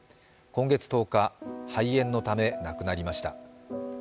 今月１０日、肺炎のため亡くなりました。